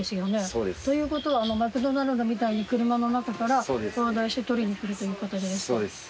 そうですということはマクドナルドみたいに車の中からオーダーして取りに来るということですか？